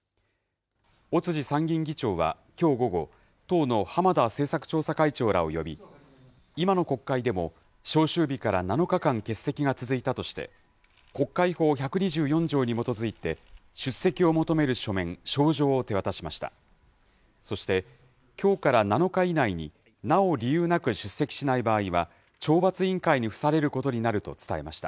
尾辻参議院議長はきょう午後、党の浜田政策調査会長らを呼び、今の国会でも、召集日から７日間欠席が続いたとして、国会法１２４条に基づいて、出席を求める書面、招状を手渡しました。